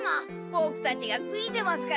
ボクたちがついてますから！